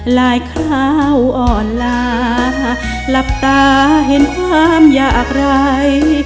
คราวอ่อนลาหลับตาเห็นความอยากไร